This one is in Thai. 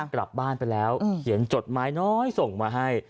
กลับบ้านไปแล้วเขียนจดไม้น้อยส่งมาให้